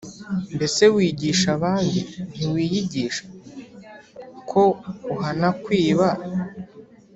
Mbese wigisha abandi, ntiwiyigisha? Ko uhana kwiba